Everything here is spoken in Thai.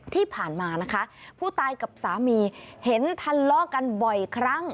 ที่ผ่านมานะคะผู้ตายกับสามีเห็นทะเลาะกันบ่อยครั้ง